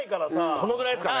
このぐらいですかね？